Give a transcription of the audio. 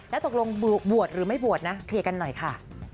แล้วตกลงบวชหรือไม่บวชนะเคลียร์กันหน่อยค่ะ